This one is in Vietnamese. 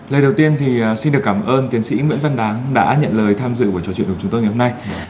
lời đầu tiên thì xin được cảm ơn tiến sĩ nguyễn văn đáng đã nhận lời tham dự buổi trò chuyện của chúng tôi ngày hôm nay